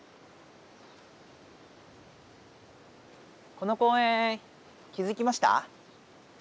この公園気づきました？